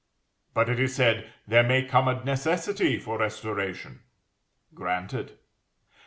But, it is said, there may come a necessity for restoration! Granted.